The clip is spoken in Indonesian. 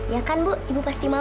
ya kan bu ibu pasti mau